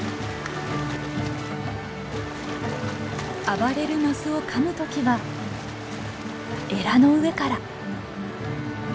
暴れるマスをかむ時はエラの上から！